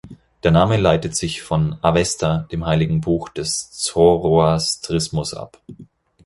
Der Name leitet sich von Avesta, dem heiligen Buch des Zoroastrismus, ab.